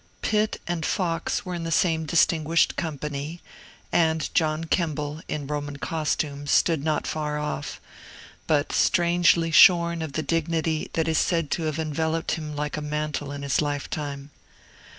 Pitt and Fox were in the same distinguished company; and John Kemble, in Roman costume, stood not far off, but strangely shorn of the dignity that is said to have enveloped him like a mantle in his lifetime.